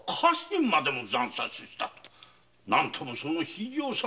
何ともその非情さ。